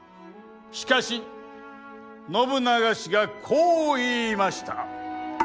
しかし信長氏がこう言いました。